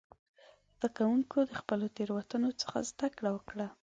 زده کوونکي د خپلو تېروتنو څخه زده کړه وکړه.